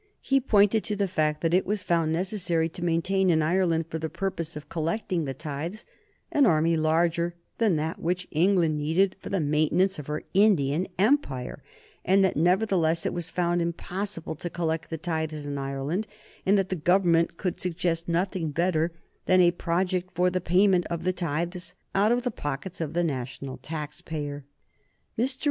He pointed to the fact that it was found necessary to maintain in Ireland, for the purpose of collecting the tithes, an army larger than that which England needed for the maintenance of her Indian Empire, and that, nevertheless, it was found impossible to collect the tithes in Ireland, and that the Government could suggest nothing better than a project for the payment of the tithes out of the pockets of the national taxpayer. Mr.